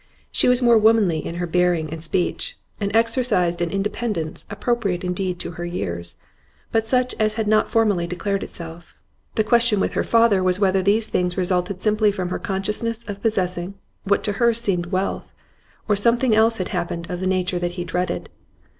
She was more womanly in her bearing and speech, and exercised an independence, appropriate indeed to her years, but such as had not formerly declared itself The question with her father was whether these things resulted simply from her consciousness of possessing what to her seemed wealth, or something else had happened of the nature that he dreaded.